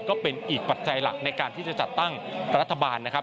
ก็เป็นอีกปัจจัยหลักในการที่จะจัดตั้งรัฐบาลนะครับ